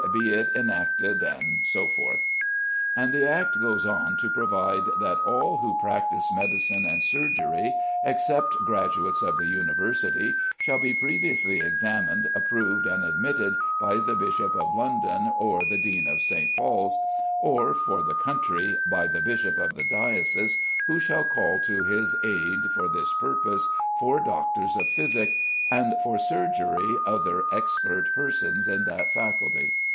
be it enacted," &c. And the Act goes on to provide that all who practise medicine and surgery (except graduates of the University) shall be previously examined, approved, and admitted by the Bishop of London or the Dean of St. Paul's, or (for the country) by the bishop of the diocese, who shall call to his aid for this purpose four doctors of physick, "and for surgery other expert persons in that faculty."